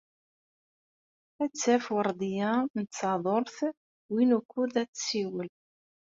Ad d-taf Weṛdiya n Tsaḍurt win wukud ad tessiwel.